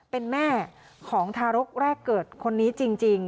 เป็นแม่ของทารกแรกเกิดคนนี้จริง